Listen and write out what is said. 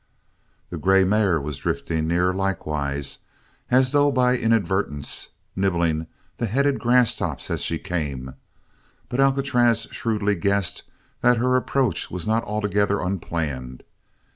The grey mare was drifting near, likewise, as though by inadvertence, nibbling the headed grasstops as she came; but Alcatraz shrewdly guessed that her approach was not altogether unplanned.